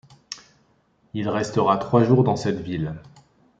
Il restera trois jours dans cette ville.